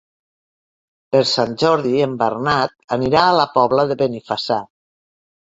Per Sant Jordi en Bernat anirà a la Pobla de Benifassà.